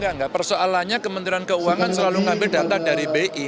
enggak persoalannya kementerian keuangan selalu mengambil data dari bi